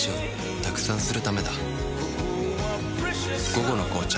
「午後の紅茶」